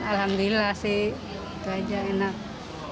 alhamdulillah sih itu aja enak